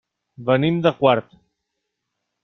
Venim de Quart.